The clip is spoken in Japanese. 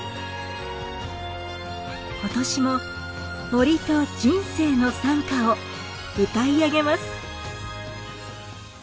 今年も森と人生の讃歌を歌いあげます。